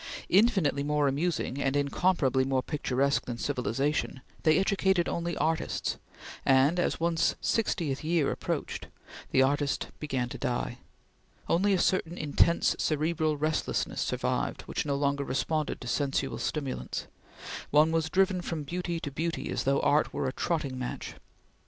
Infinitely more amusing and incomparably more picturesque than civilization, they educated only artists, and, as one's sixtieth year approached, the artist began to die; only a certain intense cerebral restlessness survived which no longer responded to sensual stimulants; one was driven from beauty to beauty as though art were a trotting match.